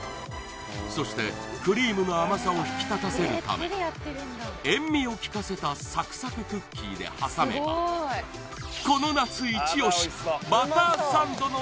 そしてクリームの甘さを引き立たせるため塩味を利かせたサクサククッキーで挟めばこの夏イチ押しバターサンドの